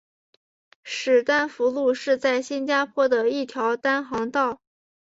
史丹福路是在新加坡的一条单行道。